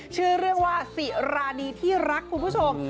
ชื่อเรื่องว่าสิรานีที่รักคุณผู้ชม